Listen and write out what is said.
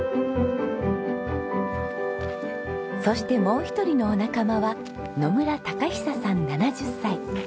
そしてもう１人のお仲間は野村享久さん７０歳。